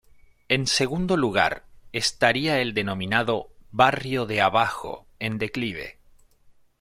En segundo lugar, estaría el denominado "Barrio de Abajo", en declive.